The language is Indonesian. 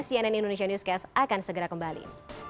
cnn indonesia newscast akan segera kembali